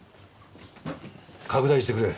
拡大してくれ。